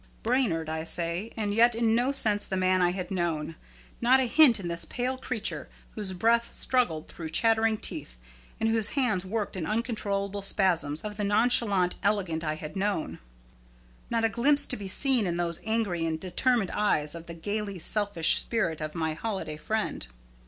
Brainard, I say, and yet in no sense the man I had known, not a hint in this pale creature, whose breath struggled through chattering teeth, and whose hands worked in uncontrollable spasms, of the nonchalant elegant I had known. Not a glimpse to be seen in those angry and determined eyes of the gayly selfish spirit of my holiday friend.